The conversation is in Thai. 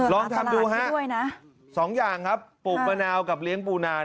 ลองทำดูฮะสองอย่างครับปลูกมะนาวกับเลี้ยงปูนาน